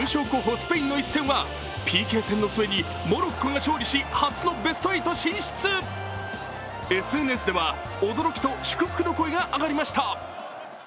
スペインの一戦はモロッコが勝利し初のベスト８進出ＳＮＳでは驚きと祝福の声が上がりました。